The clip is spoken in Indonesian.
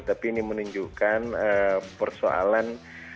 tapi ini menunjukkan persoalan